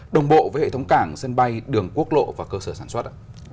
đồng bộ với hệ thống cảng sân bay đường quốc lộ và cơ sở sản xuất